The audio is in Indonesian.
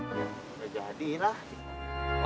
ga jadi lah